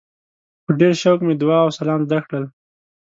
په ډېر شوق مې دعا او سلام زده کړل.